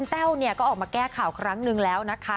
แต้วเนี่ยก็ออกมาแก้ข่าวครั้งนึงแล้วนะคะ